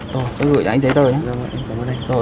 tôi gửi cho anh giấy tờ nhé